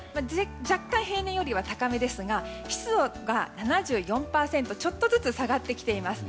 若干平年よりは高めですが湿度が７４％とちょっとずつ下がっています。